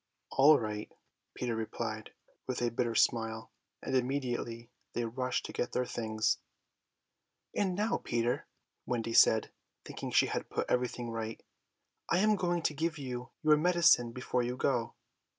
"All right," Peter replied with a bitter smile, and immediately they rushed to get their things. "And now, Peter," Wendy said, thinking she had put everything right, "I am going to give you your medicine before you go."